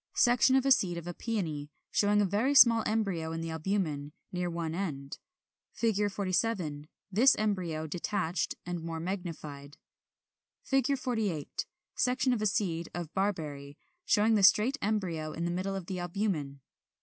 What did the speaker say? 46. Section of a seed of a Peony, showing a very small embryo in the albumen, near one end. 47. This embryo detached, and more magnified.] [Illustration: Fig. 48. Section of a seed of Barberry, showing the straight embryo in the middle of the albumen.